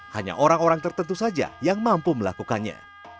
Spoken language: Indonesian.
hanya orang orang tertentu saja yang mampu melakukannya